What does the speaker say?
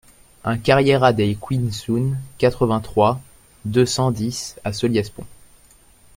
un carriera Dei Quinsoun, quatre-vingt-trois, deux cent dix à Solliès-Pont